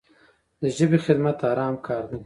د ژبې خدمت ارام کار دی.